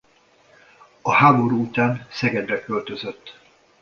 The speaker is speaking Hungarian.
A háború után Szegedre költözött.